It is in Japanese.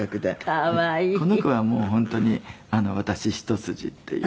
「可愛い」「この子はもう本当に私一筋っていう」